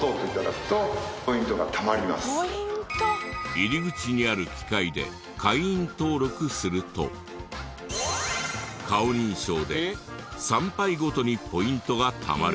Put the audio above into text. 入り口にある機械で会員登録すると顔認証で参拝ごとにポイントがたまる。